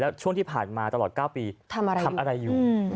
ช่วงที่ผ่านมาตลอด๙ปีทำอะไรอยู่